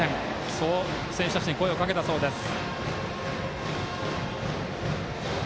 そう選手たちに声をかけたそうです。